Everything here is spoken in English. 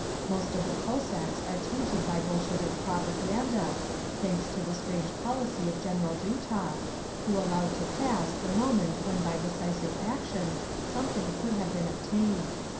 Most of the Cossacks are tainted by Bolshevik propaganda, thanks to the strange policy of General Dutov, who allowed to pass the moment when by decisive action something could have been obtained.